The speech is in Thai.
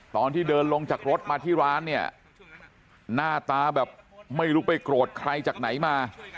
ตอนที่เดินลงจากรถมาที่ร้านเนี่ยหน้าตาแบบไม่รู้ไปโกรธใครจากไหนมา